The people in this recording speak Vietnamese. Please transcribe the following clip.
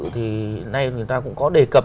thì nay người ta cũng có đề cập